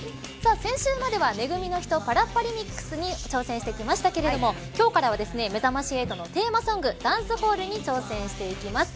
先週までは、め組のひとパラッパ・リミックスに挑戦してきましたけれども今日からはめざまし８のテーマソングダンスホールに挑戦していきます。